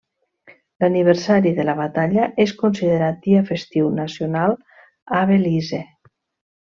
L'aniversari de la batalla és considerat dia festiu nacional a Belize.